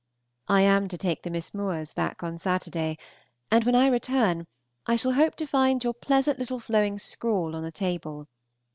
I am to take the Miss Moores back on Saturday, and when I return I shall hope to find your pleasant little flowing scrawl on the table.